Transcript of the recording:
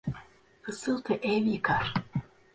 Fısıltı ev yıkar.